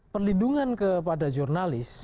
perlindungan kepada jurnalis